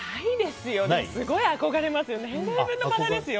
すごい憧れますよ。